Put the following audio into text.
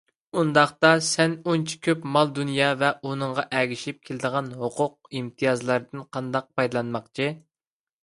ئۇنداقتا سەن ئۇنچە كۆپ مال - دۇنيا ۋە ئۇنىڭغا ئەگىشىپ كېلىدىغان ھوقۇق - ئىمتىيازلاردىن قانداق پايدىلانماقچى؟